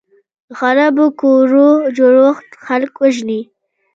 د خرابو کورو جوړښت خلک وژني.